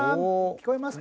聞こえます。